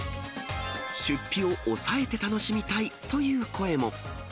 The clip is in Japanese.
出費を抑えて楽しみたいという声も。